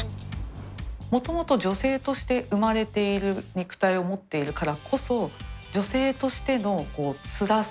もともと女性として生まれている肉体を持っているからこそ女性としてのこうつらさ。